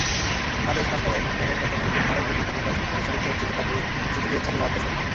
আদেশ বাস্তবায়ন করে গতকাল বুধবারই দিল্লিতে নির্বাচন কমিশনকে চিঠি দিয়েছে রাজ্য সরকার।